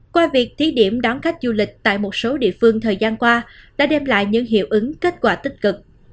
qua việc thí điểm đón khách du lịch tại một số địa phương thời gian qua đã đem lại những hiệu ứng kết quả tích cực